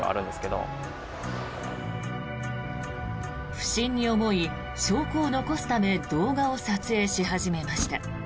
不審に思い、証拠を残すため動画を撮影し始めました。